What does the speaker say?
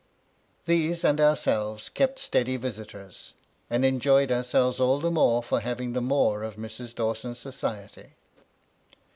These and ourselves kept steady visitors, and enjoyed ourselves all the more for having the more of Mrs. Dawson's society.